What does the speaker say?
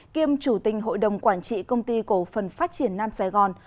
kiêm chủ tình hội đồng quản trị công ty cổ phần phát triển nam sài gòn